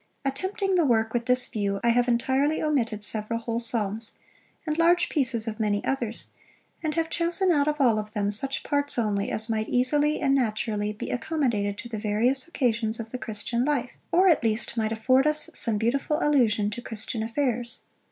"Attempting the work with this view, I have entirely omitted several whole psalms, and large pieces of many others; and have chosen out of all of them, such parts only as might easily and naturally be accommodated to the various occasions of the Christian life, or at least might afford us some beautiful allusion to Christian affairs.